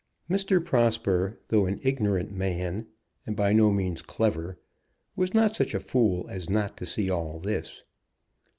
Mr. Prosper, though an ignorant man, and by no means clever, was not such a fool as not to see all this.